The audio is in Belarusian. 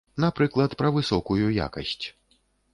Напрыклад, пра высокую якасць.